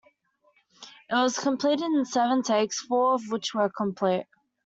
It was completed in seven takes, four of which were complete.